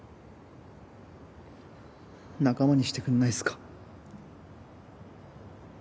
仲間にしてくんないっすか？